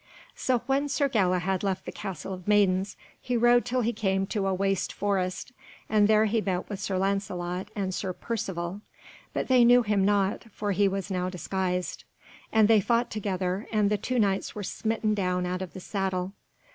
So when Sir Galahad left the Castle of Maidens he rode till he came to a waste forest, and there he met with Sir Lancelot and Sir Percivale; but they knew him not, for he was now disguised. And they fought together, and the two knights were smitten down out of the saddle.